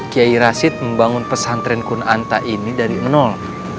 kiai rashid membangun pesantren kunanta ini dari nol